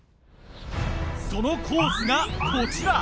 そのコースがこちら。